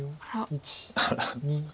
あら。